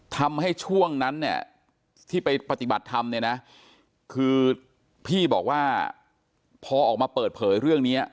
ทำให้ช่วงนั้นเนี่ยที่ไปปฏิบัติธรรมเนี่ยนะคือพี่บอกว่าพอออกมาเปิดเผยเรื่องนี้